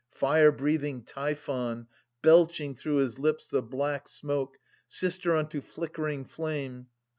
Fire breathing Typhon, belching through his lips The black smoke, sister unto flickering flame.